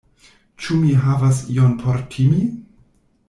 Ĉu mi havas ion por timi?